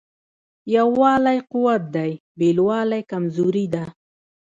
یووالی قوت دی بېلوالی کمزوري ده.